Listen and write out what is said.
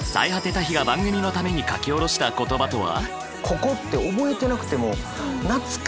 タヒが番組のために書き下ろした言葉とは？